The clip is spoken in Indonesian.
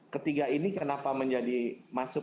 ketiga ini kenapa menjadi masuk